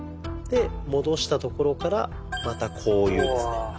で戻したところからまたこういうですね。